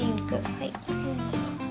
はい。